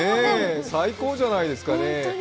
最高じゃないですかね。